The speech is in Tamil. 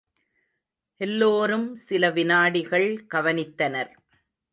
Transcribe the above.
எல்லோரும் சில விநாடிகள் கவனித்தனர்.